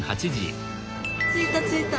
着いた着いた。